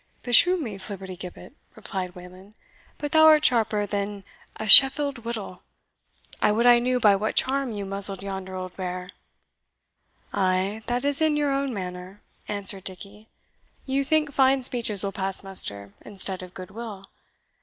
"Beshrew me, Flibbertigibbet," replied Wayland, "but thou art sharper than a Sheffield whittle! I would I knew by what charm you muzzled yonder old bear." "Ay, that is in your own manner," answered Dickie; "you think fine speeches will pass muster instead of good will.